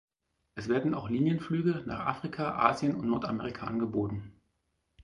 Es werden auch Linienflüge nach Afrika, Asien und Nordamerika angeboten.